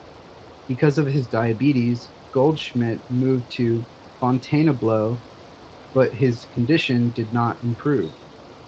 Because of his diabetes, Goldschmidt moved to Fontainebleau, but his condition did not improve.